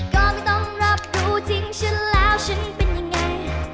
ก็ไม่ต้องรับรู้ทิ้งฉันแล้วฉันเป็นยังไง